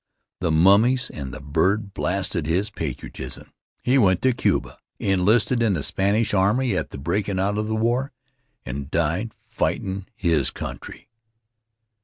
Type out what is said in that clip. The mummies and the bird blasted his patriotism. He went to Cuba, enlisted in the Spanish army at the breakin' out of the war, and died fightin' his country.